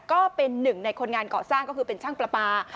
ก็เป็นหนึ่งในคนงานเกาะสร้างก็คือเป็นช่างปลาปลา